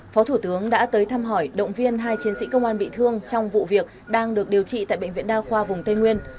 phó thủ tướng đã tới thăm hỏi động viên hai chiến sĩ công an bị thương trong vụ việc đang được điều trị tại bệnh viện đa khoa vùng tây nguyên